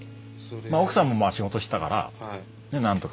奥さんもまあ仕事してたからなんとか頑張って。